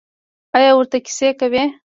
ایا ورته کیسې کوئ؟